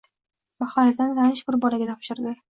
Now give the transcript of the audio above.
Mahalladan tanish bir bolaga topshirdi.